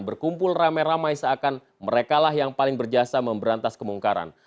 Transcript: berkumpul ramai ramai seakan mereka lah yang paling berjasa memberantas kemungkaran